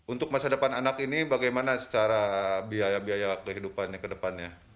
untuk masa depan anak ini bagaimana secara biaya biaya kehidupannya ke depannya